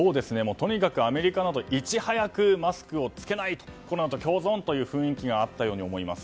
とにかくアメリカなどいち早くマスクを着けないコロナと共存という雰囲気があったと思います。